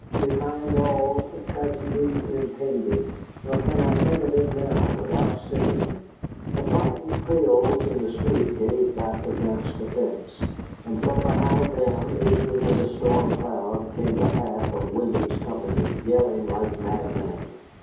Behind all a tragedy impended, nor can I think of it now without sickening. The frightened Creoles in the street gave back against the fence, and from behind them, issuing as a storm cloud, came the half of Williams' company, yelling like madmen.